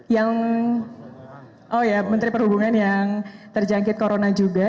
yang oh ya menteri perhubungan yang terjangkit corona juga